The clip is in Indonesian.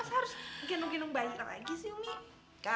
terus mungkin nunggirin bayi lagi sih umi